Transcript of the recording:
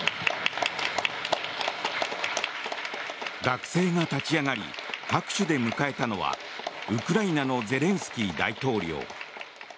学生が立ち上がり拍手で迎えたのはウクライナのゼレンスキー大統領。